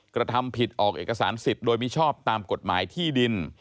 กระทำผิดออกเอกสารสิทธิ์โดยมิชอบตามกฎหมายที่ดิน